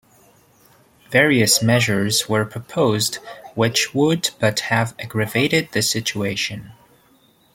Various measures were proposed which would but have aggravated the situation.